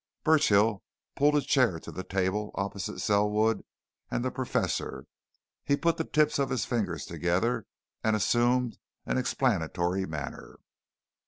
Burchill pulled a chair to the table, opposite Selwood and the Professor. He put the tips of his fingers together and assumed an explanatory manner.